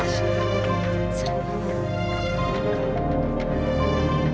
oh iya taruh saja